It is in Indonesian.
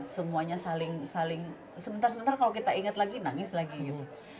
semuanya saling saling sebentar sebentar kalau kita ingat lagi nangis lagi gitu